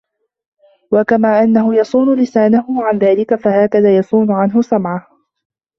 وَكَمَا أَنَّهُ يَصُونُ لِسَانَهُ عَنْ ذَلِكَ فَهَكَذَا يَصُونُ عَنْهُ سَمْعَهُ